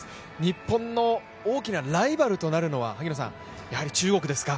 日本の大きなライバルとなるのは、やはり中国ですか？